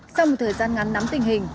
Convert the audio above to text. sau một thời gian ngắn nắm tình hình